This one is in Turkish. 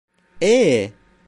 Eee...